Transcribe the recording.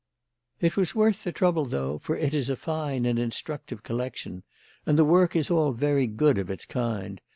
"It was worth the trouble, though, for it is a fine and instructive collection. And the work is all very good of its kind.